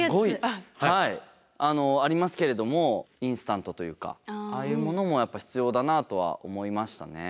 ありますけれどもインスタントというかああいうものもやっぱ必要だなとは思いましたね。